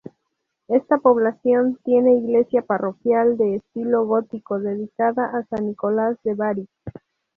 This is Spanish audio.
Esta población tiene iglesia parroquial, de estilo gótico, dedicada a San Nicolás de Bari.